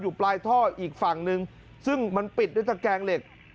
ปลายท่ออีกฝั่งหนึ่งซึ่งมันปิดด้วยตะแกงเหล็ก